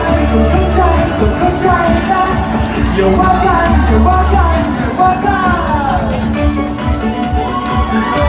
กดเข้าใจกดเข้าใจกดเข้าใจกัน